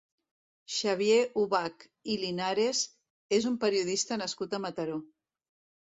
Xavier Ubach i Linares és un periodista nascut a Mataró.